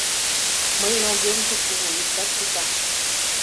— Мыйын объёмжо кугу, иктат сита.